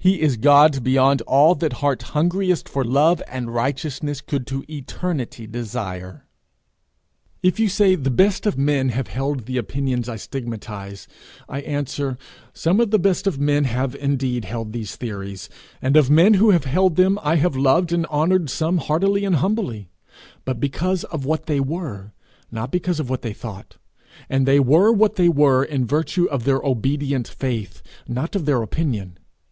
He is God beyond all that heart hungriest for love and righteousness could to eternity desire. If you say the best of men have held the opinions I stigmatize, I answer, 'Some of the best of men have indeed held these theories, and of men who have held them I have loved and honoured some heartily and humbly but because of what they were, not because of what they thought; and they were what they were in virtue of their obedient faith, not of their opinion.